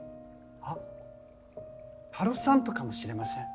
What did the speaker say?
あっパロサントかもしれません。